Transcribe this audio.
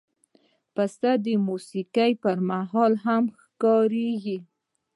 پسه د موسیقۍ پر مهال هم ښکارېږي.